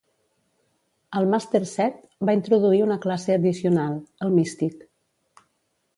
El "Màster Set" va introduir una classe addicional: el Místic.